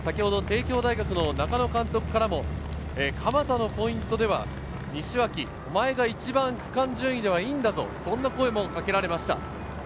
帝京大学の中野監督からも蒲田のポイントでは、西脇、お前が一番区間順位ではいいんだぞと声がかけられました。